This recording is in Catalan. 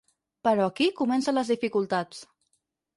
Però aquí comencen les dificultats.